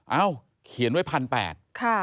เอ้าเขียนไว้๑๘๐๐บาท